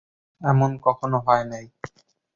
এমন কখনো হয় নাই।